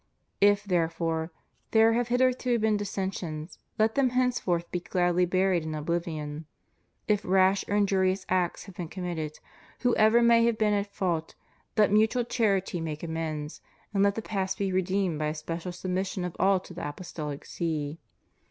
If, therefore, there have hitherto been dissensions, let them henceforth be gladly buried in oblivion. If rash or injurious acts have been committed, whoever may have been at fault, let mutual charity make amends, and let the past be redeemed by a special submission of all to the Apostolic See.